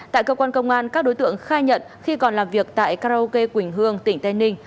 tại cơ quan công an các đối tượng khai nhận khi còn làm việc tại karaoke quỳnh hương tỉnh tây ninh